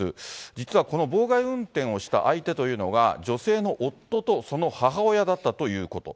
実はこの妨害運転をした相手というのが、女性の夫とその母親だったということ。